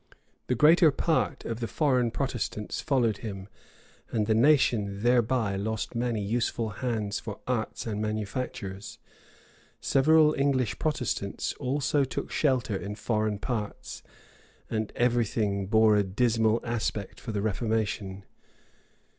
The greater part of the foreign Protestants followed him; and the nation thereby lost many useful hands for arts and manufactures. Several English Protestants also took shelter in foreign parts; and every thing bore a dismal aspect for the reformation.